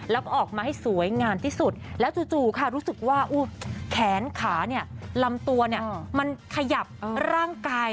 แล้วก็ออกมาให้สวยงามที่สุดแล้วจู่ค่ะรู้สึกว่าแขนขาลำตัวมันขยับร่างกาย